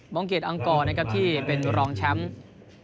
องเกียจอังกรนะครับที่เป็นรองแชมป์